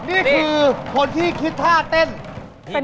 นี่คือคนที่คิดท่าเต้น